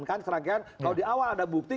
kan serangkaian kalau di awal ada bukti